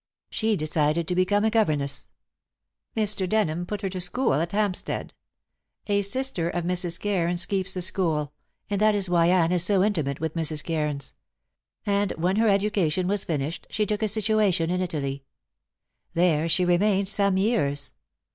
She decided to become a governess. Mr. Denham put her to school at Hampstead a sister of Mrs. Cairns keeps the school, and that is why Anne is so intimate with Mrs. Cairns and when her education was finished she took a situation in Italy. There she remained some years.